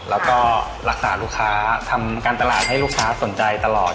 แล้วก็รักษาลูกค้าทำการตลาดให้ลูกค้าสนใจตลอด